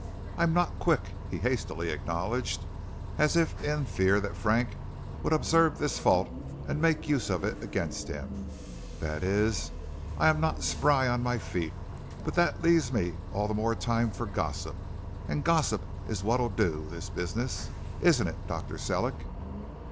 "I'm not quick," he hastily acknowledged, as if in fear that Frank would observe this fault and make use of it against him; "that is, I'm not spry on my feet, but that leaves me all the more time for gossip, and gossip is what'll do this business, isn't it, Dr. Sellick?"